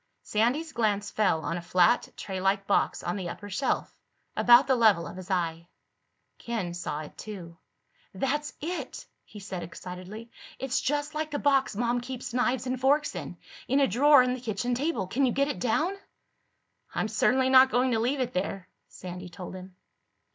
Sandy's glance fell on a flat traylike box on the upper shelf, above the level of his eye. Ken saw it too. "That's it!" he said excitedly. "It's just like the box Mom keeps knives and forks in—in a drawer in the kitchen table. Can you get it down?" "I'm certainly not going to leave it there," Sandy told him.